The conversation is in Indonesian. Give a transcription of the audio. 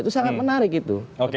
itu sangat menarik itu